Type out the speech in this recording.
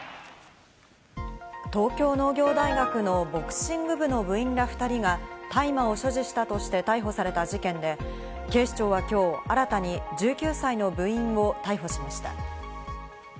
東京農業大学のボクシング部の部員ら２人が大麻を所持したとして逮捕された事件で、警視庁はきょう新たに１９歳の部員を逮捕しました。